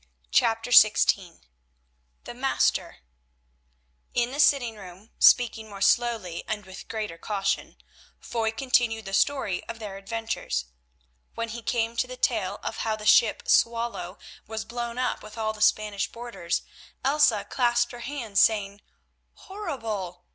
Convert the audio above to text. CHAPTER XVI THE MASTER In the sitting room, speaking more slowly and with greater caution, Foy continued the story of their adventures. When he came to the tale of how the ship Swallow was blown up with all the Spanish boarders, Elsa clasped her hands, saying, "Horrible!